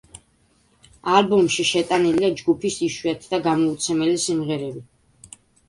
ალბომში შეტანილია ჯგუფის იშვიათი და გამოუცემელი სიმღერები.